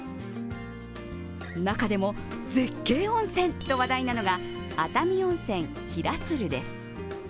中でも、絶景温泉と話題なのが熱海温泉・平鶴です。